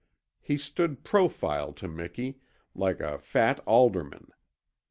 He stood profile to Miki, like a fat alderman.